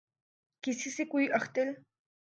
کسی سے کوئی اختل